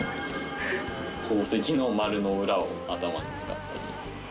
宝石の丸の裏を頭に使ったり。